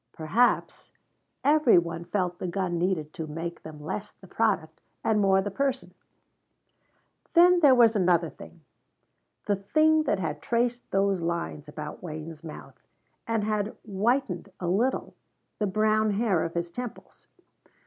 Perhaps every one felt the gun need to make them less the product and more the person. Then there was another thing. The thing that had traced those lines about Wayne's mouth, and had whitened, a little, the brown hair of his temples.